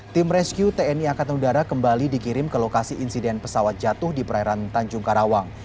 tim rescue tni angkatan udara kembali dikirim ke lokasi insiden pesawat jatuh di perairan tanjung karawang